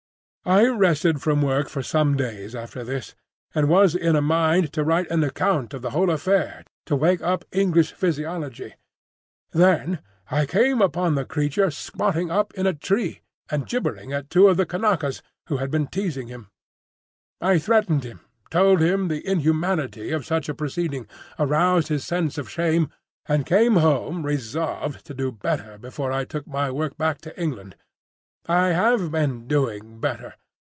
"I rested from work for some days after this, and was in a mind to write an account of the whole affair to wake up English physiology. Then I came upon the creature squatting up in a tree and gibbering at two of the Kanakas who had been teasing him. I threatened him, told him the inhumanity of such a proceeding, aroused his sense of shame, and came home resolved to do better before I took my work back to England. I have been doing better.